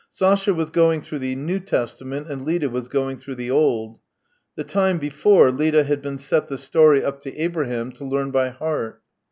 Sasha was going through the New Testament and Lida was going through the Old. The time before Lida had been set the story up to Abraham to learn by heart.